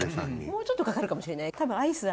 もうちょっとかかるかもしれない多分アイスだと。